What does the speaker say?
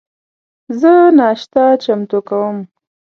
زه ناشته چمتو کوم